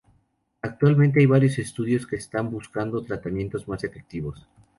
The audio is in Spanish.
Actualmente hay varios estudios que están buscando tratamientos más efectivos.